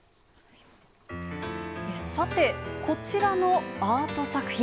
さて、こちらのアート作品。